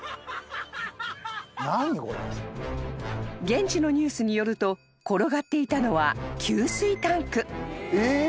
［現地のニュースによると転がっていたのは］